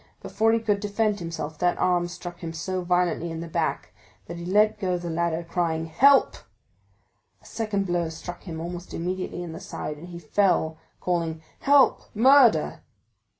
Before he could defend himself that arm struck him so violently in the back that he let go the ladder, crying, "Help!" A second blow struck him almost immediately in the side, and he fell, calling, "Help, murder!"